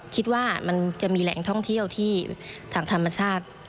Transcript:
คิดว่ามันจะมีแหล่งท่องเที่ยวที่ทางธรรมชาติ